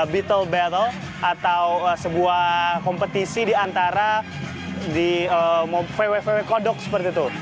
beatle battle atau sebuah kompetisi di antara vwvw kodok seperti itu